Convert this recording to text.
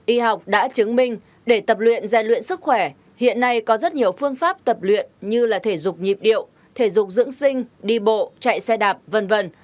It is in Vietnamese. y học đã chứng minh để tập luyện gian luyện sức khỏe hiện nay có rất nhiều phương pháp tập luyện như là thể dục nhịp điệu thể dục dưỡng sinh đi bộ chạy xe đạp v v